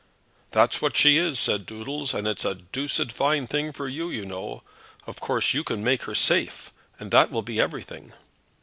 "That's what she is," said Doodles, "and it's a doosed fine thing for you, you know! Of course you can make her safe, and that will be everything."